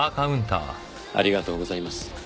ありがとうございます。